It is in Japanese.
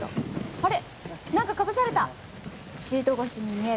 あれ？